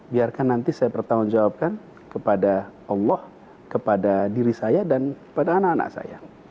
biarkan nanti saya bertanggung jawabkan kepada allah kepada diri saya dan kepada anak anak saya